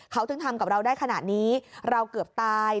เขาถึงทำกับเราได้ขนาดนี้เราเกือบตาย